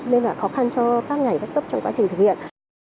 nên là khó khăn cho các ngành các cấp trong quá trình thực hiện